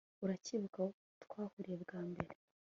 uracyibuka aho twahuriye bwa mbere